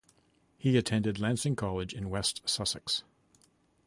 He attended Lancing College in West Sussex.